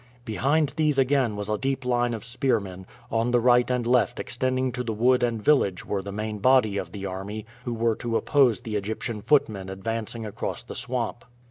Behind these again was a deep line of spearmen; on the right and left extending to the wood and village were the main body of the army, who were to oppose the Egyptian footmen advancing across the swamp.